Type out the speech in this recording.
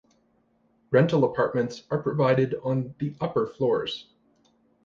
Rental apartments are provided on the upper floors.